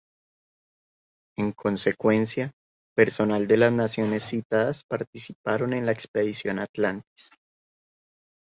En consecuencia, personal de las naciones citadas participaron en la Expedición Atlantis.